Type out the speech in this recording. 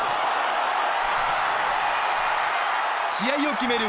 試合を決める